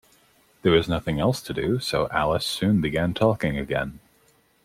There was nothing else to do, so Alice soon began talking again.